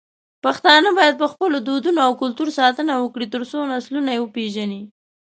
پښتانه بايد په خپلو دودونو او کلتور ساتنه وکړي، ترڅو نسلونه يې وپېژني.